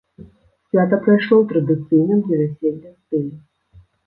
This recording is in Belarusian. Свята прайшло ў традыцыйным для вяселля стылі.